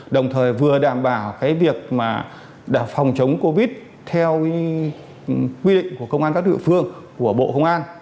đồng thời vừa đảm bảo việc phòng chống covid theo quy định của công an các địa phương của bộ công an